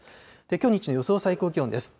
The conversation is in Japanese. きょう日中の予想最高気温です。